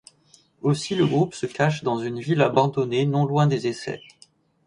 Aussi le groupe se cache dans une ville abandonnée non loin des essais.